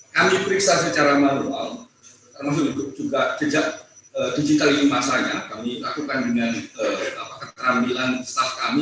kami periksa secara manual termasuk juga jejak digital ini masanya kami lakukan dengan keterampilan staff kami